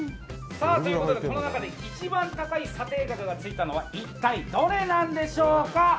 ということでこの中で一番高い査定額がついたのは一体どれなんでしょうか。